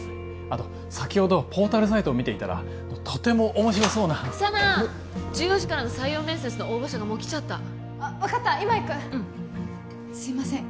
あと先ほどポータルサイトを見ていたらとても面白そうな佐奈１４時からの採用面接の応募者がもう来ちゃったあっ分かった今行くうんすいません